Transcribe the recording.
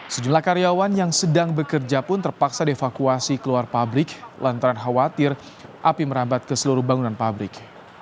sejumlah karyawan yang sedang bekerja pun terpaksa dievakuasi keluar pabrik lantaran khawatir api merambat ke seluruh bangunan pabrik